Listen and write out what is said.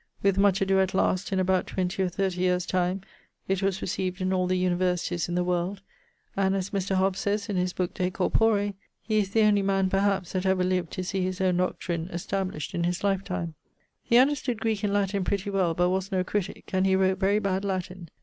With much adoe at last, in about 20 or 30 yeares time, it was recieved in all the Universities in the world; and, as Mr. Hobbes sayes in his book 'De Corpore,' he is the only man, perhaps, that ever lived to see his owne doctrine established in his life time. He understood Greek and Latin pretty well, but was no critique, and he wrote very bad Latin.